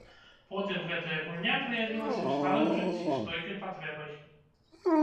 Потым гэтая гульня праявілася ў сталым жыцці стойкай патрэбай.